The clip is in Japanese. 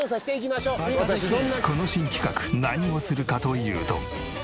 この新企画何をするかというと。